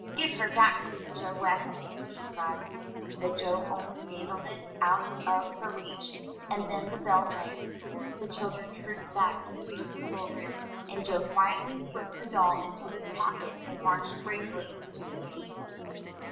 "Give her back to me, Joe West!" she cried. But Joe' only dandled it out of her reach, and then the bell rang. The children trooped back into the school room, and Joe quietly slipped the doll into his pocket and marched gravely to his seat.